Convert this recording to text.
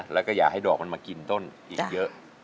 และอย่าให้ดอกมากินต้นอีกเยอะ